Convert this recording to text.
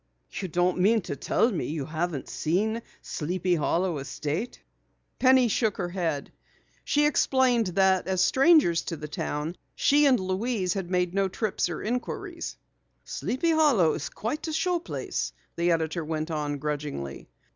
You don't mean to tell me you haven't seen Sleepy Hollow estate?" Penny shook her head. She explained that as strangers to the town, she and Louise had made no trips or inquiries. "Sleepy Hollow is quite a show place," the editor went on grudgingly.